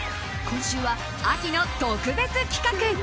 今週は秋の特別企画。